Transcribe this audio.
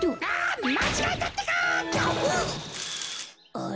あれ？